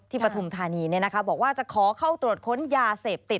ที่ประธุมธานีนะครับบอกว่าจะขอเข้าตรวจค้นยาเสพติด